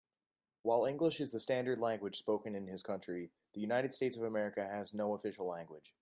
While English is the standard language spoken in his country, the United States of America has no official language.